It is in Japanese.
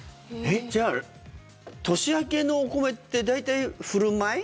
じゃあ年明けのお米って大体、古米？